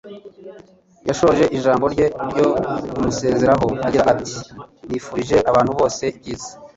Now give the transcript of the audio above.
yashoje ijambo rye ryo kumusezeraho agira ati: "Nifurije abantu bose ibyiza."